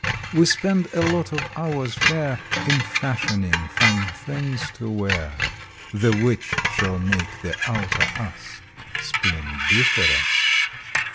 We spend a lot of hours fair In fashioning fine things to wear The which shall make the Outer Us Splendiferous.